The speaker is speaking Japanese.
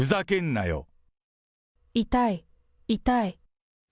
痛い、痛い。